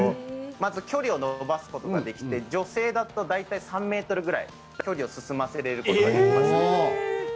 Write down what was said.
まず、距離を伸ばすことができて女性だと大体３ｍぐらい距離を進ませることができます。